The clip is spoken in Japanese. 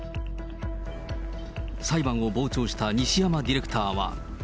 裁判を傍聴した西山ディレクターは。